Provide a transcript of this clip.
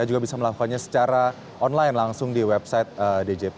juga bisa melakukannya secara online langsung di website djp